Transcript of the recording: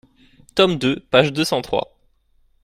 Tome deux, page deux cent trois.